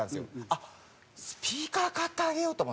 あっスピーカー買ってあげようと思って。